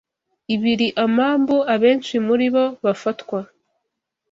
Ibiri amambu, abenshi muri bo bafatwa